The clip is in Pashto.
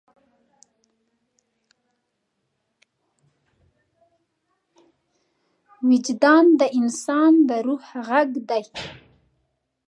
وجدان د انسان د روح غږ دی.